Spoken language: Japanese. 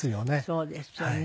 そうですよね。